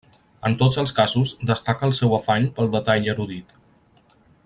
En tots els casos destaca el seu afany pel detall erudit.